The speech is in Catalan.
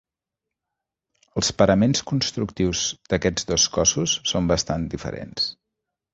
Els paraments constructius d'aquests dos cossos són bastant diferents.